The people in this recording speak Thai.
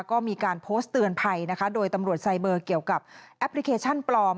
ก็มีการโพสต์เตือนภัยนะคะโดยตำรวจไซเบอร์เกี่ยวกับแอปพลิเคชันปลอม